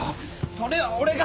それは俺が！